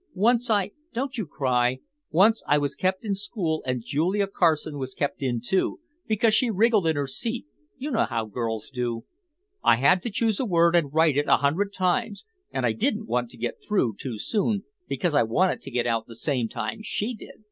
Once I—don't you cry—once I was kept in in school and Julia Carson was kept in too, because she wriggled in her seat—you know how girls do. I had to choose a word and write it a hundred times and I didn't want to get through too soon, because I wanted to get out the same time she did.